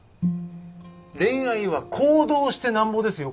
恋愛は行動してナンボですよ！